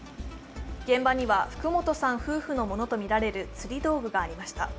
現場には福本さん夫婦のものとみられる釣り道具がありました。